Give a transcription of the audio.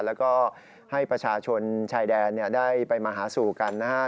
แล้วก็ให้ประชาชนชายแดนได้ไปมาหาสู่กันนะฮะ